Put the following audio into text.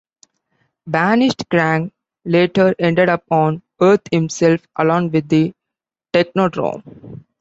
Banished Krang later ended up on Earth himself along with the Technodrome.